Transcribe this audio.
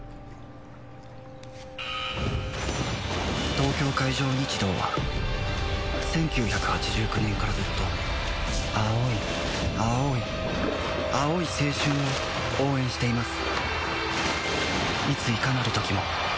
東京海上日動は１９８９年からずっと青い青い青い青春を応援しています